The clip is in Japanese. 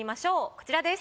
こちらです。